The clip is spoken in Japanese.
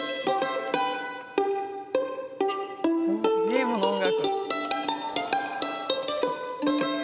ゲームの音楽。